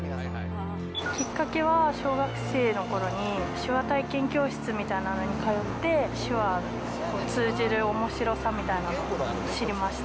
きっかけは小学生のころに手話体験教室みたいなのに通って、手話が通じるおもしろさみたいなものを知りました。